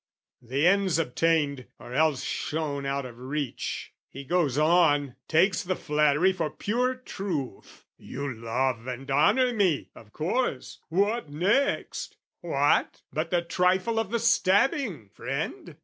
The ends obtained, or else shown out of reach, He goes on, takes the flattery for pure truth, "You love and honour me, of course: what next?" What, but the trifle of the stabbing, friend?